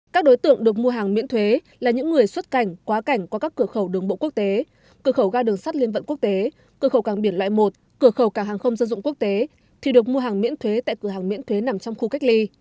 các đối tượng được mua hàng miễn thuế là những người xuất cảnh quá cảnh qua các cửa khẩu đường bộ quốc tế cửa khẩu ga đường sắt liên vận quốc tế cửa khẩu càng biển loại một cửa khẩu càng hàng không dân dụng quốc tế thì được mua hàng miễn thuế tại cửa hàng miễn thuế nằm trong khu cách ly